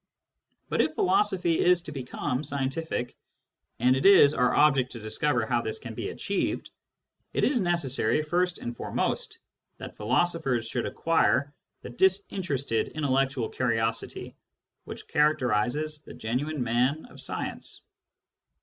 But if philosophy is to become scientific — and it is our object to discover how this can be achieved — it is necessary first and fore most that philosophers should acquire the disinterested intellectual curiosity which characterises the genuine man Digitized by Google CURRENT TENDENCIES 17 of science.